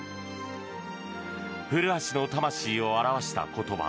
古橋の魂を表した言葉